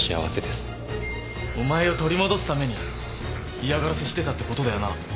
お前を取り戻すために嫌がらせしてたってことだよな。